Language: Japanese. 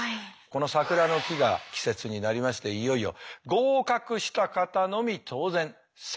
この桜の木が季節になりましていよいよ合格した方のみ当然桜咲く。